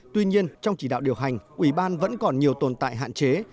tuy nhiên trong chỉ đạo điều hành ủy ban vẫn còn nhiều tồn tại hạn chế